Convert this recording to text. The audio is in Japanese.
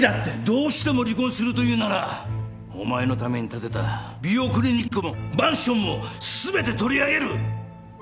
どうしても離婚するというならお前のために建てた美容クリニックもマンションも全て取り上げる！